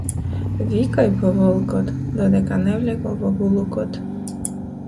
Викај по волкот, додека не влегол во булукот.